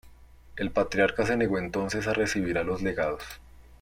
El patriarca se negó entonces a recibir a los legados.